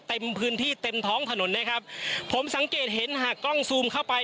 เต็มพื้นที่เต็มท้องถนนนะครับผมสังเกตเห็นหากกล้องซูมเข้าไป